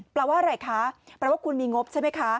แปลว่าอะไรคะแปลว่าคุณมีงบใช่ไหมคะ